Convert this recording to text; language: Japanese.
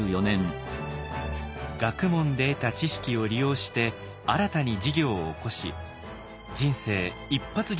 学問で得た知識を利用して新たに事業を起こし人生一発